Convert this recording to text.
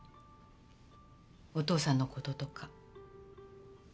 お父さんの事とか。